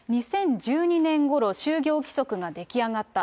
２０１２年ごろ、就業規則が出来上がった。